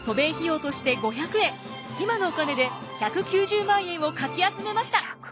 今のお金で１９０万円をかき集めました。